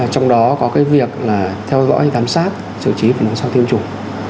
trong đó có việc theo dõi giám sát sử trí phần hướng sau tiêm chủng